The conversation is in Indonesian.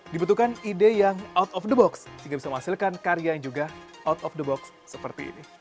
dibutuhkan ide yang out of the box sehingga bisa menghasilkan karya yang juga out of the box seperti ini